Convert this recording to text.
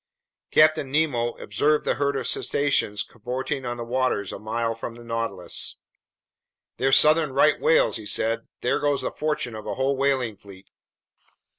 Captain Nemo observed the herd of cetaceans cavorting on the waters a mile from the Nautilus. "They're southern right whales," he said. "There goes the fortune of a whole whaling fleet."